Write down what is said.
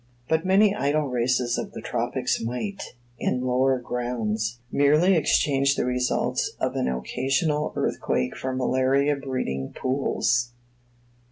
But many idle races of the tropics might, in lower grounds, merely exchange the results of an occasional earthquake for malaria breeding pools.